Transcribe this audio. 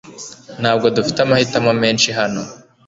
Ntabwo dufite amahitamo menshi hano